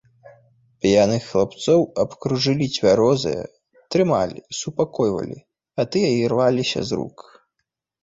П'яных хлапцоў абкружылі цвярозыя, трымалі, супакойвалі, а тыя ірваліся з рук.